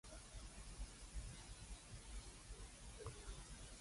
你估我游唔游到去對面岸？